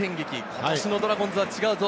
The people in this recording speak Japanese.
今年のドラゴンズは違うぞ。